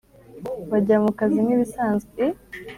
bajya mukazi nkibisanzwe,